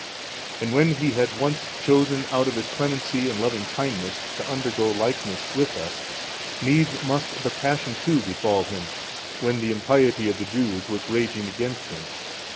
And when He had once chosen out of His Clemency and Loving kindness to undergo likeness with us, needs must the Passion too befall Him, when the impiety of the Jews was raging against Him.